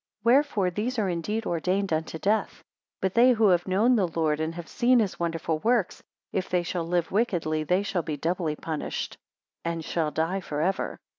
173 Wherefore these are indeed ordained unto death; but they who have known the Lord, and have seen his wonderful works, if they shall live wickedly, they shall be doubly punished, and shall die for ever.